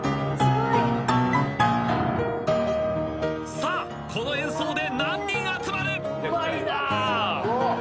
さあこの演奏で何人集まる！？